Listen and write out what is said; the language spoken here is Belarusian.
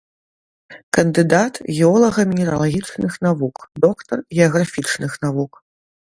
Кандыдат геолага-мінералагічных навук, доктар геаграфічных навук.